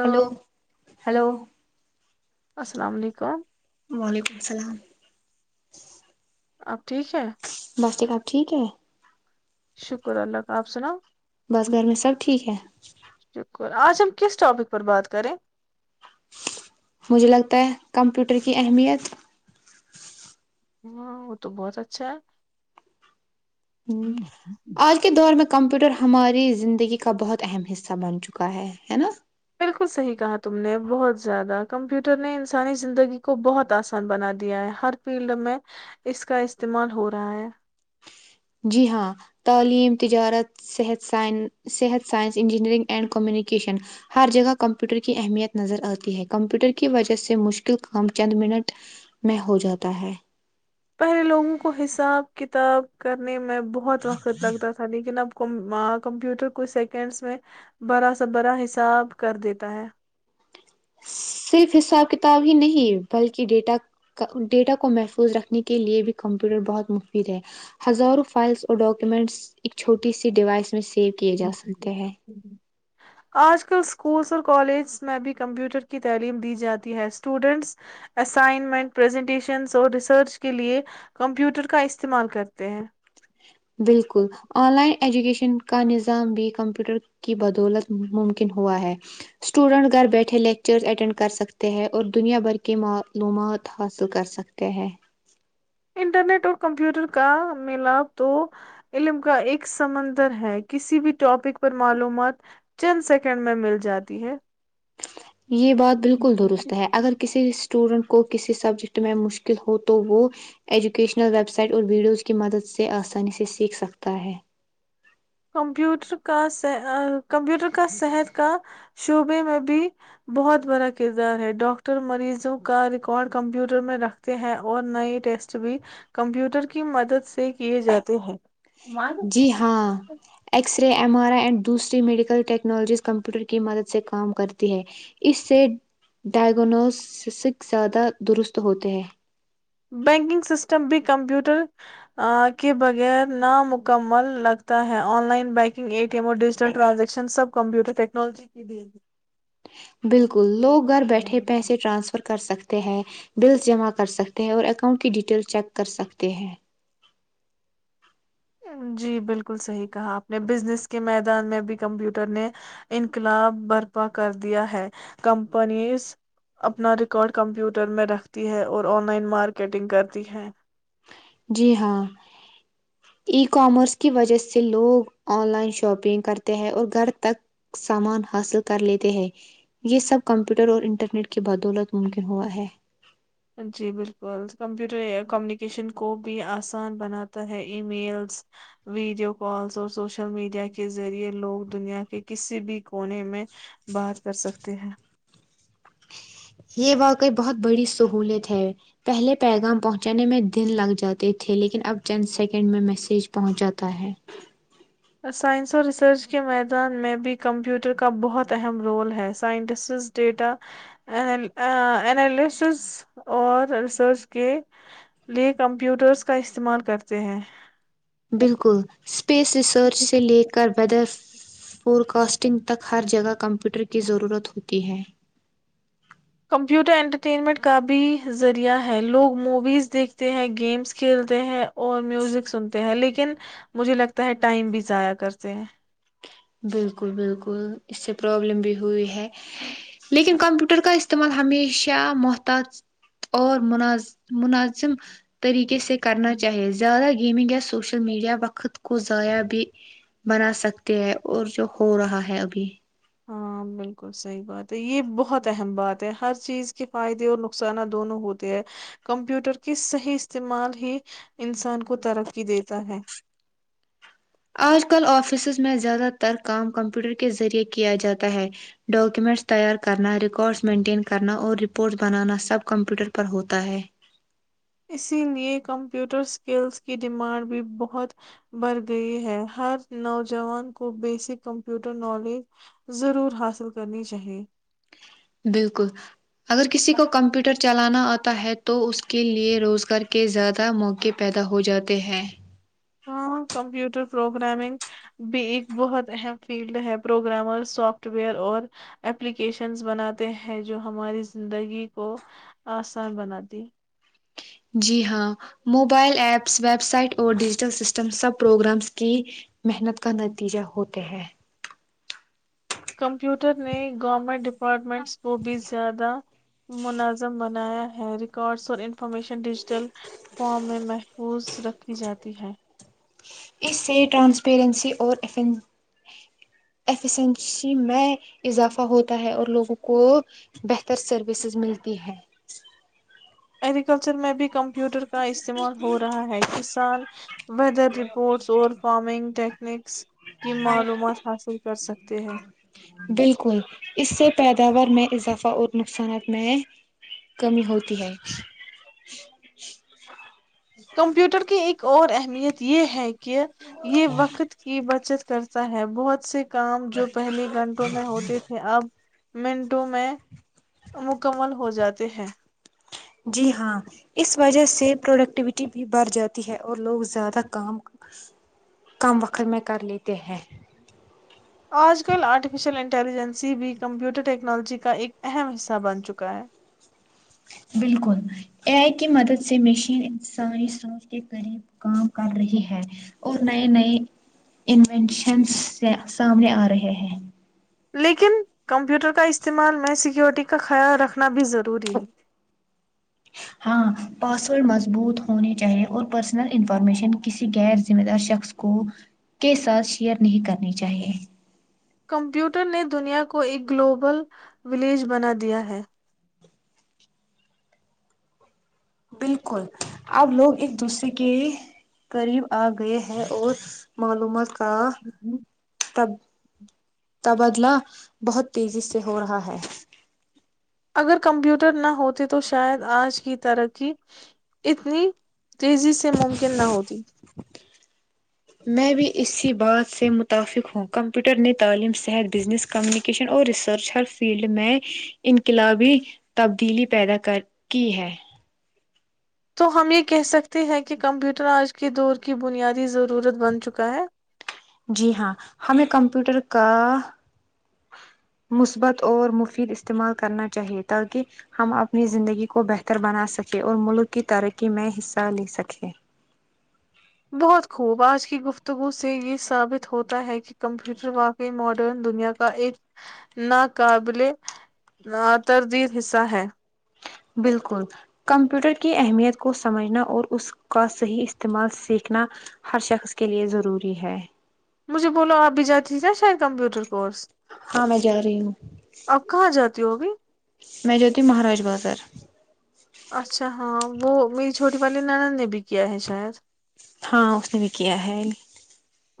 Hello hello السلام علیکم وعلیکم اللام اب ٹھیک ہے بس ٹھیک آب ٹھیک ہے شکر اللہ کا آپ سناؤ بس گھر میں سب ٹھیک ہے [unintelligible] آج ہم کس ٹاپک پر بات کریں مجھے لگتا ہے کمپیوٹر کی اہمیت ہاں وہ تو بہت اچھا ہے ہ آج کے دور میں کمپیوٹر ہماری زندگی کا بہت اہم حصہ بن چکا ہے ہے نا بالکل صحیح کہا تم نے بہت زیادہ کمپیوٹر نے انسانی زندگی کو بہت آسان بنا دیا ہے ہر فیلڈ میں اس کا استعمال ہو رہا ہے جی ہاں تعلیم تجارت صحت سائ صحت سائنس انجینئرنگ اینڈ کمیونیکیشن ہر جگہ کمپیوٹر کی اہمیت نظر آتی ہے کمپیوٹر کی وجہ سے مشکل کام چند منٹ میں ہو جاتا ہے پہلے لوگوں کو حساب کتاب کرنے میں بہت وقت لگتا تھا لیکن کمپیوٹر کچھ سیکنڈس میں برا سا برا حساب کر دیتا ہے صرف حساب کتاب ہی نہیں بلکہ ڈیٹا ڈیٹا کو محفوظ رکھنے کے لیے بھی کمپیوٹر بہت مفید ہے ہزاروں فائلس اور ڈاکومنٹس ایک چھوٹی سی ڈیوائس میں سیو کیے جا سکتے ہیں ہے آج کل اسکولس اور کالج میں بھی کمپیوٹر کی تعلیم دی جاتی ہے اسٹوڈینٹس اسائنمنٹ پرزنٹیشنس اور ریسرچ کے لیے کمپیوٹر کا استعمال کرتے ہیں بالکل آن لائن ایجوکیشن کا نظام بھی کمپیوٹر کی بدولت ممکن ہوا ہے اسٹوڈنٹ گھر بیٹھے لیکچرز اٹینڈ کر سکتے ہیں اور دنیا بھر کی معلومات حاصل کر سکتے ہیں انٹرنیٹ اور کمپیوٹر کا ملاپ تو علم کا ایک سمندر ہے کسی بھی ٹاپک پر معلومات چند سیکنڈ میں مل جاتی ہے یہ بات بالکل درست ہے اگر کسی اسٹوڈنٹ کو کسی سبجیکٹ میں مشکل ہو تو وہ ایجوکیشنل ویب سائٹ اور ویڈیوز کی مدد سے آسانی سے سیکھ سکتا ہے کمپیوٹر کا کمپیوٹر کا صحت کا شعبے میں بھی بہت بڑا کردار ہے ڈاکٹر مریضوں کا ریکارڈ کمپیوٹر میں رکھتے ہیں اور نئے ٹیسٹ بھی کمپیوٹر کی مدد سے کیے جاتے ہیں جی ہاں X ray M R I and دوسری میڈیکل ٹیکنالوجیز کمپیوٹر کی مدد سے کام کرتی ہے اس سے ڈائیگنوسسک زیادہ درست ہوتے ہیں بینکنگ سسٹم بھی کمپیوٹر کے بغیر نامکمل لگتا ہے online banking A T M اور ڈیجیٹل ٹرانزیکشن سب کمپیوٹر ٹیکنالوجی کی بھی بالکل لوگ گھر بیٹھے ہے۔ پیسے ٹرانسفر کر سکتے ہیں بلس جمع کر سکتے ہیں اور اکاؤنٹ کی ڈیٹیل چیک کر سکتے ہیں جی بالکل صحیح کہا آپ نے بزنس کے میدان میں بھی کمپیوٹر نے انقلاب برپا کر دیا ہے کمپنیز اپنا ریکارڈ کمپیوٹر میں رکھتی ہے اور آن لائن مارکیٹنگ کرتی ہے جی ہاں ای کامرس کی وجہ سے لوگ آن لائن شاپنگ کرتے ہیں اور گھر تک سامان حاصل کر لیتے ہے یہ سب کمپیوٹر اور انٹرنیٹ کی بدولت ممکن ہوا ہے جی بالکل کمپیوٹر کمیونیکیشن کو بھی آسان بناتا ہے ای میلس ویڈیو کالس اور سوشل میڈیا کے ذریعے لوگ دنیا کے کسی بھی کونے میں بات کر سکتے ت ہیں یہ واقعی بہت بڑی سہولت ہے پہلے پیغام پہنچانے میں دن لگ جاتے تھے لیکن اب چند سیکنڈ میں میسج پہنچ جاتا ہے سائنس اور ریسرچ کے میدان میں بھی کمپیوٹر کا بہت اہم رول ہے سائنٹسٹس ڈیٹا االسس اور ریسرچ کے لئے کمپیوٹرز کا استعمال کرتے ہیں بالکل اسپیس ریسرچ سے لے کر بدر فورکسٹنگ تک ہر جگہ کمپیوٹر کی ضرورت ہوتی ہے کمپیوٹر انٹرٹینمنٹ کا بھی ذریعہ ہے لوگ موویز دیکھتے ہیں گیمس کھیلتے ہیں اور میوزک سنتے ہیں لیکن مجھے لگتا ہے ٹائم بھی ضائع کرتے ہیں بالکل بالکل اس سے پرابلم بھی ہوئی ہے لیکن کمپیوٹر کا استعمال ہمیشہ محتاط اور مناز مناظم طریقے سے کرنا چاہیے زیادہ گیمنگ یا سوشل میڈیا وقت کو ضائع بھی بنا سکتے ہے اور جو ہو رہا ہے ابھی ہاں بالکل صحیح بات ہے یہ بہت اہم بات ہے ہر چیز کے فائدے اور نقصانات دونوں ہوتے ہے کمپیوٹر کے صحیح استعمال ہی انسان کو ترقی دیتا ہے آج کل آفیسز میں زیادہ تر کام کمپیوٹر کے ذریعہ کیا جاتا ہے ڈاکیومنٹس تیار کرنا ریکارڈز مینٹین کرنا اور رپورٹس بنانا سب کمپیوٹر پر ہوتا ہے اسی لیئے کمپیوٹر اسکلس کی ڈیمانڈ بھی بہت بڑھ گئی ہے ہر نوجوان کو بیسک کمپیوٹر نالج ضرور حاصل کرنی چاہیے بالکل اگر کسی کو کمپیوٹر چلانا آ ہے تو اس کے لئے روزگار کے زیادہ موقع پیدا ہو جاتے ہیں ہاں کمپیوٹر پروگرامنگ بھی ایک بہت اہم فیلڈ ہے پروگرامر سافٹ ویئر اور اپلیکیشنز بناتے ہیں جو ہماری زندگی کو آسان بناتی جی ہاں موبائل ایپس ویب سائٹ اور ڈیجیٹل سسٹم سب پروگرامس کی محنت کا نتیجہ ہوتے ہیں کمپیوٹر نے گورنمنٹ ڈپارٹمنٹس کو بھی زیادہ منظم بنایا ہے ریکارڈز اور انفارمیشن ڈیجیٹل فارم میں محفوظ رکھی جاتی ہے اس سے ٹرانسپیرنسی اور ایفیسینسی میں اضافہ ہوتا ہے اور لوگوں کو بہتر سروسز ملتی ہے ایگریکلچر میں بھی کمپیوٹر کا استعمال ہو رہا ہے کسان ویدر رپورٹس اور فارمنگ ٹیکنکس کی معلومات حاصل کر سکتے ہیں بالکل اس سے پیداوار میں اضافہ اور نقصانات میں کمی ہوتی ہے [inaudible] کمپیوٹر کے ایک اورور اہمیت یہ ہے کہ کہ یہ وقت کی بچت چرچا ہے بہت سے کام جو پہلے گھنٹوں میں ہوتے تھے اب منٹوں میں مکمل ہو جاتے ہیں جی ہاں اس وجہ سے پروڈکٹیویٹی بھی بڑھ جاتی ہے اور لوگ زیادہ کام کم وقت میں کر لیتے ہیں آج کل آرفشل انٹیلیجنسی بھی کمپیوٹر ٹیکنالوجی کا ایک اہم حصہ بن چکا ہے بالکل ا آئی کی مدد سے مشین انسانی سوچ کے قریب کام کر رہی ہے اور نئے نئے انوینشن سے سامنے آ رہے ہیں لیکن کمپیوٹر کا استعمال میں سیکیورٹی کا خیال رکھنا بھی ضروری ہے ہاں پاسورڈ مضبوط ہونے چاہیے اور پرسنل انفارمیشن کسی غیر ذمہ دار شخص کو کے ساتھ شیئر نہیں کرنی چاہیے کمپیوٹر نے دنیا کو ایک گلوبل ولیج بنا دیا ہے بالکل اب لوگ ایک دوسرے کے قریب آ گئے ہیں اور معلومات ہاں تب تبادلہ بہت تیزی سے ہو رہا ہے اگر کمپیوٹر نہ ہوتے تو شاید آج کی ترقی اتنی تیزی سے ممکن نہ ہوتی میں بھی اسی بات سے متفق ہوں کمپیوٹر نے تعلیم صحت بزنس کمیونیکیشن اور ریسرچ ہر فیلڈ میں انقلابی تبدیلی پیدا کی ہے تو ہم یہ کہہ سکتے ہیں کہ کمپیوٹر آج کے دور کی بنیادی ضرورت بن چکا ہے جی ہاں ہمیں کمپیوٹر کا مثبت اور مفید استعمال کرنا چاہیے تاکہ ہم اپنی زندگی کو بہتر بنا سکیں اور ملک کی ترقی میں حصہ لے سکیں اج کی گفتگو سے یہ ثابت ہوتا ہے کہ کمپیوٹر واقعی ماڈرن دنیا کا ایک ناقابل رہا تردید حصہ ہے بالکل کمپیوٹر کی اہمیت کو سمجھنا اور اس کا صحیح استعمال سیکھنا ہر شخص کے لیے ضروری ہے مجھے بولو آپ بھی جاتی نا شاید کمپیوٹر کورس ہاں میں جا رہی ہوں آپ کہاں جاتی ہوگی میں جوتی ہ مہاراج بازار اچھا ہاں وہ میری چھوٹی والی نینن نے بھی کیا ہے شاید ہاں اس نے کیا ہے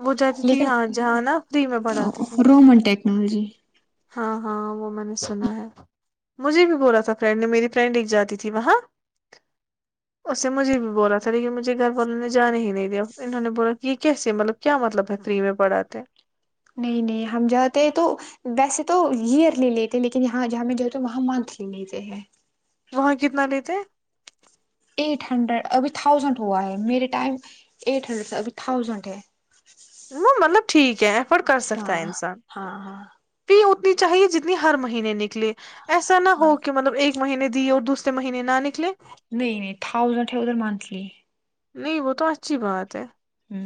وہ جاتی تھی لیکن یہاں جہاں نا فری میں پڑھاتے تھے رومن ٹیکنالوجی ہاں ہاں وہ میں نے سنا ہے مجھے بھی بولا تھا فرینڈ نے میری فرینڈ ایک جاتی تھی وہاں اس سے مجھے بھی بولا تھا لیکن مجھے گھر والوں نے جانا ہی نہیں دیا انہوں نے بولا کہ یہ کیسے مطلب کیا مطلب بہتری میں پڑاتے نہیں نہیں ہم جاتے تو ویسے تو ایئرلی لیتے لیکن یہاں ہمیں جاتے وہاں منتھلی لیتے ہیں وہاں کتنا لیتے ایٹ ہنڈریڈ ابھی تھاؤزینڈ ہوا ہے میرے ٹائم ایٹ ہنڈریڈ ابھی تھاؤزینڈ ہے مطلب ٹھیک ہے ف کر ہاں سکتا ہے انسان ہاں ہاں فی اتنی چاہیے جتنی ہر مہینے نکل لے ایسا نہ ہاں ہو کہ مطلب ایک مہینے دی اور دوسرے مہینے نہ نکلے نہیں نہیں تھاؤزنڈ ہے ادھر منتھلی نہیں وہ تو اچھی بات ہے ہ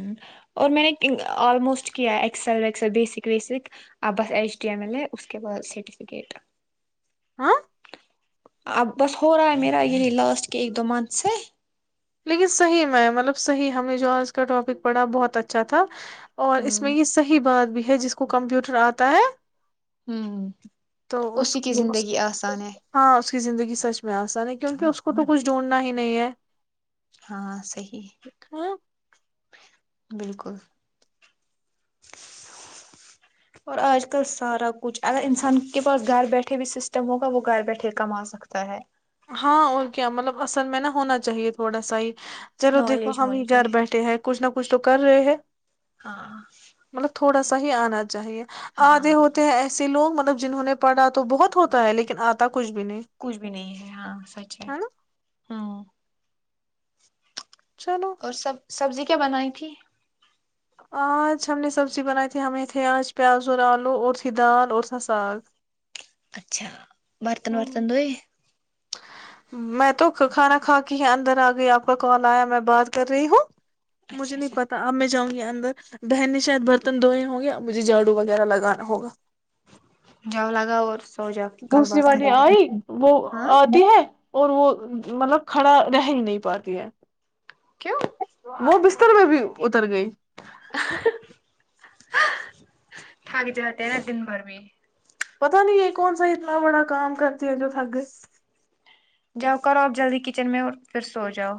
اور میں نے آلموسٹ کیا ایکسل وسل بیسک ویسک ا بس ایچ ڈی ایم ایل ہے اس کے بعد سرٹیفکیٹ ہاں اب بس ہو رہا ہے میرا یہی لاسٹ کے ایک دو منتھ سے لیکن صحیح میں مطلب صحیح ہمیں جو آج کا ٹاپک پڑھا بہت اچھا تھا اور اس میں ہوں یہ صحیح بات بھی ہے جس کو کمپیوٹر آتا ہے ہوں تو اس اسی کی کو زندگی آسان ہے ہاں اس کی زندگی سچ آسا نہیں ہے کیونکہ اس کو تو کچھ ڈھونڈنا ہی نہیں ہے ہاں صی ہ بالکل اور آج کل سارا کچھ اگر انسان کے پاس گھر بیٹھے بھی سسٹم ہوگا وہ گھر بیٹھے کما سکتا ہے ہاں اور کیا مطلب اصل میں نا ہونا چاہیے تھوڑا سا ہی چلو دیکھو نالج ہم ہی ہونی گھر چاہیے بیٹھے ہیں کچھ نہ کچھ کچھ تو کر رہے ہیں ہاں مطلب [unintelligible] تھوڑا سا ہی آنا چاہیے ہاں آتےے ہوتے ہیں ایسے لوگ مطلب جنہوں نے پڑھا تو بہت ہوتا ہے لیکن آتا کو کچھ بھی نہیں ہے ہاں سچ ہے ہوں [unintelligible] چلو [unintelligible] اور سب سبزی کا کیا بنائی تھی [unintelligible] آج ہم نے سبزی بنائی تھی ہمیں تھے آج پیاز اور آلو اور تھی دال اور تھا ساگ اچھا برتن برتن دو ہی میں تو کھانا کھا کے ہی اندر آ گئی آپ کا کال آیا میں بات کر رہی ہوں مجھے اچھا نہیں اچھا پتا اب میں جاؤں گی انر بہننے شاید برتن دھوئے ہ گے یا مجھے جھاڑو وغیرہ لگانا ہوگا جؤلا گا اورور دوسری بار نے آئی وہ ہاں آدھی ہے اور وہ مطلب کھڑا رہ ہی نہیں پاتی ہے کیوں وہ بس اتر میں بھی اتر گئی تھاک جاتے ہیں نا دن بھر بھی پتا نہیں یہ کون سا اتنا بڑا کام کرتے ہیں جو تھگ جاؤ کرو آپ جلدی کچن میں اور پھر سو جاؤ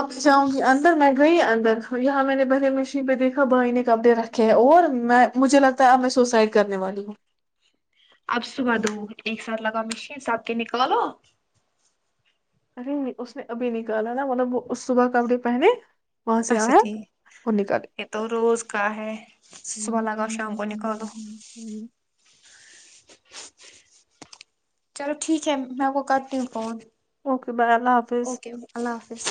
اب جاؤں گی اندر میں گئی اندر یہاں میں نے بھرے مشین پہ دیکھا بھائی نے کپڑے رکھے ہیں اور میں مجھے لگتا ہے اب میں سوسائڈ کرنے والی ہوں اب صبح دو ایک ساتھ لگا مشین ساتھ کے نکال لو ارے اس نے ابھی نکالا نا مطلب وہ صبح کپڑے پہنے وہاں سے اچھا آیا ٹھیک اور نکال یہ تو روز کا ہے صبح لاگاؤ شام کو نکال دو چلو ٹھیک ہے میں آپ کو کرتی ہوں فون اوکے بائے اللہ حافظ بس